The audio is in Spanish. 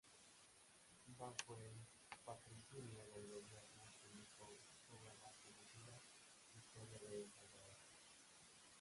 Bajo el patrocinio del gobierno publicó, su obra más conocida, Historia de El Salvador.